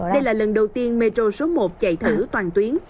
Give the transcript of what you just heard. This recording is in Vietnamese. đây là lần đầu tiên metro số một chạy thử toàn tuyến